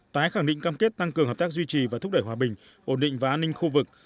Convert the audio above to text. tái khẳng định cam kết tăng cường hợp tác duy trì và thúc đẩy hòa bình ổn định và an ninh khu vực